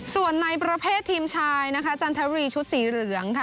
ส่วนในประเภททีมชายนะคะจันทบุรีชุดสีเหลืองค่ะ